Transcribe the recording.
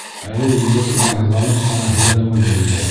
Әле егет уңайһыҙланып ҡына һөйләнеүен белде: